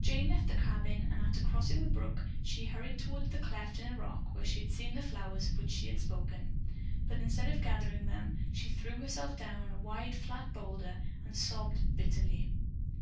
Jane left the cabin, and after crossing the brook, she hurried toward the cleft in a rock where she had seen the flowers of which she had spoken, but instead of gathering them, she threw herself down on a wide, flat boulder and sobbed bitterly.